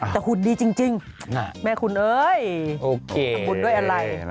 แต่หุ่นดีจริงแหมคุณเอ๋ยข็งหุ่นด้วยอะไร